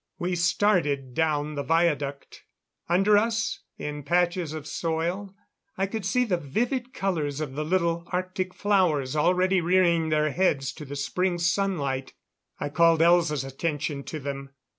We started down the viaduct. Under us, in patches of soil, I could see the vivid colors of the little Arctic flowers already rearing their heads to the Spring sunlight. I called Elza's attention to them.